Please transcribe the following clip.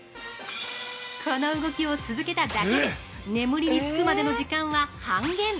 この動きを続けただけで眠りにつくまでの時間は半減。